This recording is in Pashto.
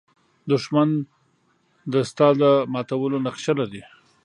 دښمن د ستا د ماتولو نقشه لري